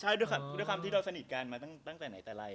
ใช่ด้วยความที่เราสนิทกันมาตั้งแต่ไหนแต่ไร